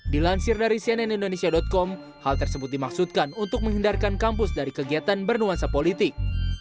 dilansir dari cnn indonesia com hal tersebut dimaksudkan untuk menghindarkan kampus dari kegiatan bernuansa politik